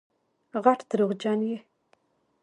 غټ دروغجن یې